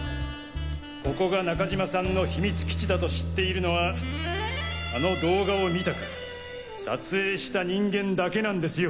ここが中島さんの秘密基地だと知っているのはあの動画を見たか撮影した人間だけなんですよ。